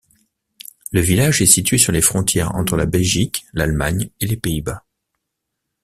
Le village est situé sur les frontières entre la Belgique, l'Allemagne et les Pays-Bas.